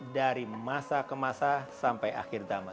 dari masa ke masa sampai akhir zaman